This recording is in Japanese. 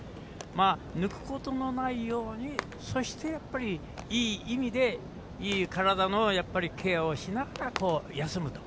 抜くことのないようにそして、いい意味でいい体のケアをしながら休むと。